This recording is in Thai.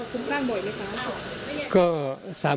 คุณคลั่งบ่อยเลยครับ